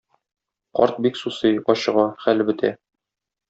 Карт бик сусый, ачыга, хәле бетә.